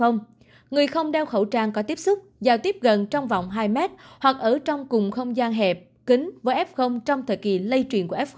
người không đeo khẩu trang có tiếp xúc giao tiếp gần trong vòng hai mét hoặc ở trong cùng không gian hẹp kính với f trong thời kỳ lây truyền của f một